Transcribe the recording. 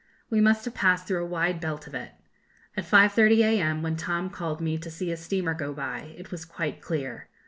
We must have passed through a wide belt of it. At 5.30 a.m., when Tom called me to see a steamer go by, it was quite clear.